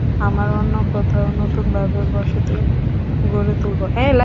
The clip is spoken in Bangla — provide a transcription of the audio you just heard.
আমরা অন্য কোথাও নতুন ভাবে বসতি গড়ে তুলবো।